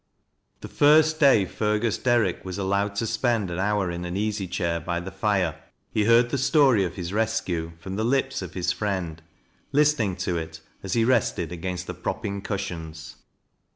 Xau *i> «tfc >^y Fergus Derrick was allowed to spend ao hvMU in an easy chair by the fire, he heard the story of hit rescue from the lips of his friend, listening to it as hft rested against th(i propping cushions.